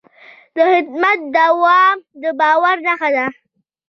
د خدمت دوام د باور نښه ده.